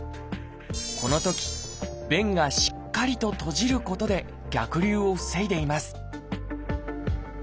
このとき弁がしっかりと閉じることで逆流を防いでいます